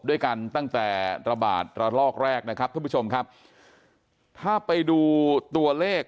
ด้วยกันตั้งแต่ระบาดระลอกแรกนะครับท่านผู้ชมครับถ้าไปดูตัวเลข